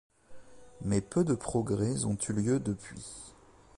Mais peu de progrès ont eu lieu depuis.